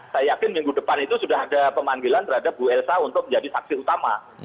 saya yakin minggu depan itu sudah ada pemanggilan terhadap bu elsa untuk menjadi saksi utama